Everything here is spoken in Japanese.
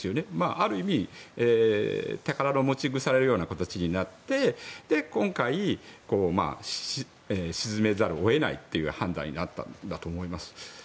ある意味宝の持ち腐れのような形になって今回、沈めざるを得ないという判断になったんだと思います。